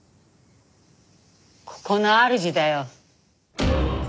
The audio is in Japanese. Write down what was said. ここの主だよ！